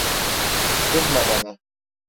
Kızma bana.